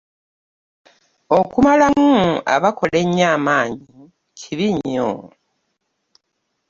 Okumalamu abakola ennyo amaanyi kibi nnyo.